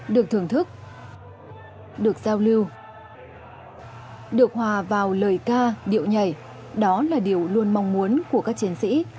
được thưởng thức được giao lưu được hòa vào lời ca điệu nhảy đó là điều luôn mong muốn của các chiến sĩ